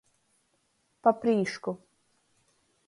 Paprīšku.